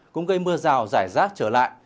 cũng gây mưa rào rải rác trở lại